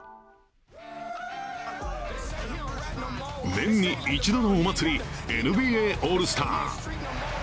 年に一度のお祭り、ＮＢＡオールスター。